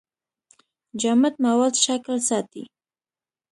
جامد مواد شکل ساتي.